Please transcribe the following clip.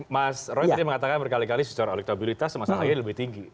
mas roy tadi mengatakan berkali kali secara elektroabilitas masalahnya lebih tinggi